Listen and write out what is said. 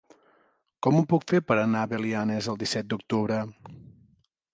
Com ho puc fer per anar a Belianes el disset d'octubre?